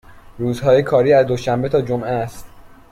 روزهای کاری از دوشنبه تا جمعه است.